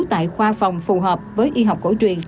tại khoa phòng phù hợp với y học cổ truyền